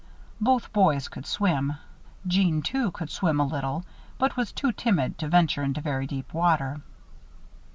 Both boys could swim. Jeanne, too, could swim a little, but was too timid to venture into very deep water.